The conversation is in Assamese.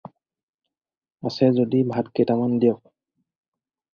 আছে যদি ভাত কেইটামান দিয়ক।